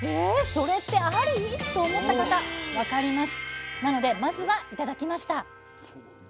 それってあり？と思った方分かります。